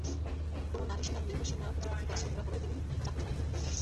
কোনো নারী সেনার লিঙ্গ সেনা কর্তৃপক্ষের কাছে ধরা পড়লে তিনি চাকরিচ্যুত হতেন।